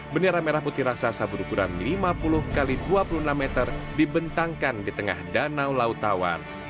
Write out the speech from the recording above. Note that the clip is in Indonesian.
bendera merah putih raksasa berukuran lima puluh x dua puluh enam meter dibentangkan di tengah danau lautawan